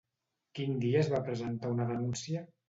Quin dia es va presentar una denúncia?